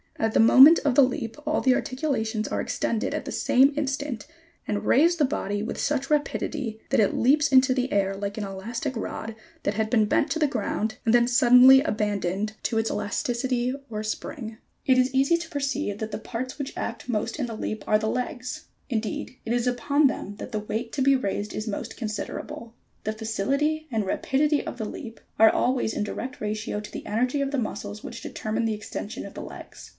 At the moment of the leap all the articulations are extended at the same instant and raise the body with such rapidity that it leaps into the air like an elastic rod that had been bent to the ground, and then suddenly abandoned to its elasticity or spring. 90. What is the mechanism of walking? 91. What is leaping i 92. What is the mechanism of a leap ? OF LOCOMOTION. 109 93. It is easy to perceive that the parts which act most in the leap are the legs: indeed, it is upon them that the weight to.be raised is most considerable. The facility and rapidity of the leap are always in direct ratio to the energy of the muscles, which determine the extension of the legs.